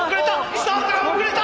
スタートが遅れた！